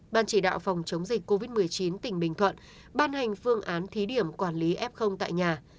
ban chỉ đạo phòng chống dịch covid một mươi chín tỉnh bình thuận ban hành phương án thí điểm quản lý f tại nhà